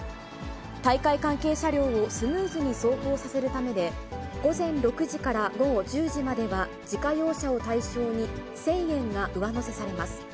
大会関係車両をスムーズに走行させるためで、午前６時から午後１０時までは、自家用車を対象に１０００円が上乗せされます。